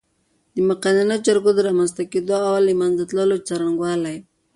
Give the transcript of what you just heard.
د مقننه جرګو د رامنځ ته کېدو او له منځه تللو څرنګوالی